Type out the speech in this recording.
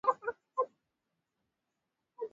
maji Antonio pia alikuwa makini sana asifanye